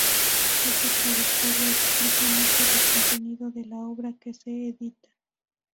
Esta trayectoria explica mucho del contenido de la obra que se edita.